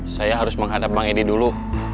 saya harus menghadap bang edi dulu